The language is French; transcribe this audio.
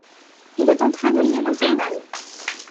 il est en train de lire le journal.